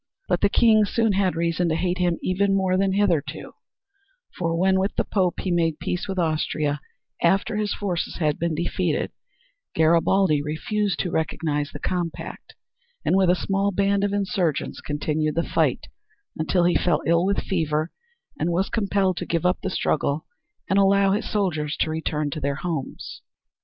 But the King soon had reason to hate him even more than hitherto, for when, with the Pope, he made peace with Austria after his forces had been defeated, Garibaldi refused to recognize the compact and with a small band of insurgents continued the fight, until he fell ill with fever and was compelled to give up the struggle and allow his soldiers to return to their homes.